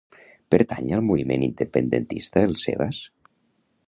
Pertany al moviment independentista el Sebas?